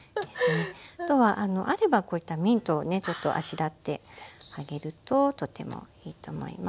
あとはあればこういったミントをねちょっとあしらってあげるととてもいいと思います。